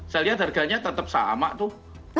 saya lihat harganya tetap sama tuh